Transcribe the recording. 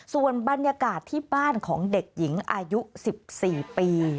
ส่วนบรรยากาศที่บ้านของเด็กหญิงอายุ๑๔ปี